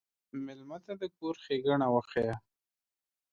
مېلمه ته د کور ښيګڼه وښیه.